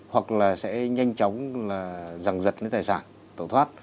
hoặc là sẽ nhanh chóng là giằng giật đến tài sản tẩu thoát